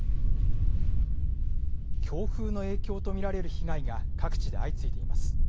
強風の影響と見られる被害が各地で相次いでいます。